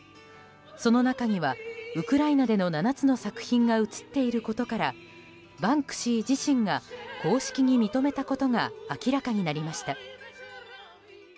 その中にはウクライナでの７つの作品が映っていることからバンクシー自身が公式に認めたことが明らかになりました。